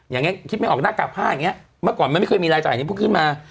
อย่างนี้คิดไม่ออกหน้ากากผ้าอย่างเงี้เมื่อก่อนมันไม่เคยมีรายจ่ายนี้เพิ่งขึ้นมา